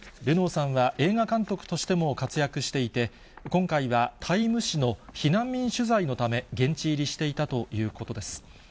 ルノーさんは映画監督としても活躍していて、今回は、タイム誌の避難民取材のため、現地入りしていたということです。